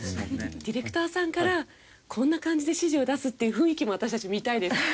ディレクターさんからこんな感じで指示を出すっていう雰囲気も私たち見たいです。